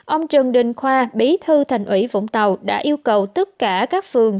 ông trần đình khoa bí thư thành ủy vũng tàu đã yêu cầu tất cả các phường